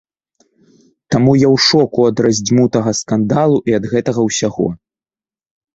Таму я ў шоку ад раздзьмутага скандалу і ад гэтага ўсяго.